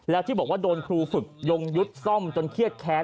แล้วที่บอกว่าโดนครูฝึกยงยุทธ์ซ่อมจนเครียดแค้น